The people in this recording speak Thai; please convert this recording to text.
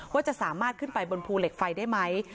ว่าจะสามารถขึ้นไปบนภูเหล็กไฟได้ไหม